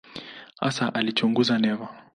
Hasa alichunguza neva.